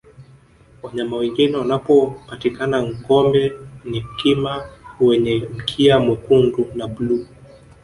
wanyama wengine wanaopatikana gombe ni kima wenye mkia mwekundu na bluu